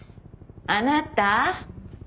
あなた！